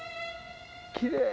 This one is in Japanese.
きれい！